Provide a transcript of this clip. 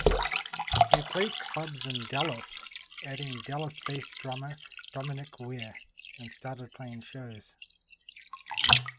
They played clubs in Dallas, adding Dallas-based drummer Dominic Weir, and started playing shows.